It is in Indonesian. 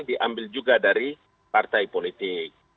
diambil juga dari partai politik